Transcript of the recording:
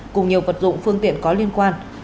cùng nhiều vật dụng phương tiện có liên quan